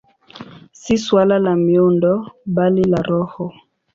Si suala la miundo, bali la roho.